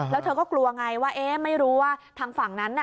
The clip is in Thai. แล้วเธอก็กลัวไงว่าเอ๊ะไม่รู้ว่าทางฝั่งนั้นน่ะ